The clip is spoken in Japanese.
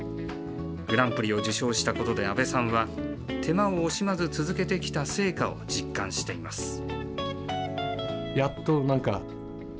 グランプリを受賞したことで安倍さんは、手間を惜しまず続けてきた成果を実感しています。